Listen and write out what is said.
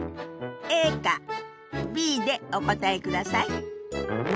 ＡかＢでお答えください。